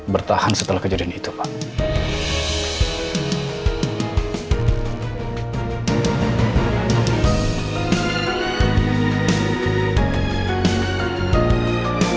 bertahan setelah kejadian itu pak